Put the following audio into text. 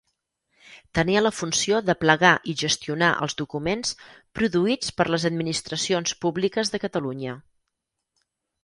Tenia la funció d'aplegar i gestionar els documents produïts per les administracions públiques de Catalunya.